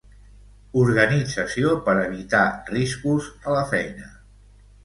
Organització per evitar riscos a la feina.